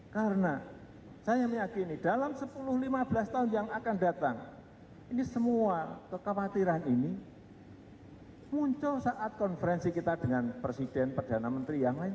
karena saya meyakini dalam sepuluh lima belas tahun yang akan datang ini semua kekhawatiran ini muncul saat konferensi kita dengan presiden perdana menteri yang lain